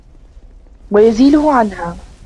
وَيُزِيلُهُ عَنْهَا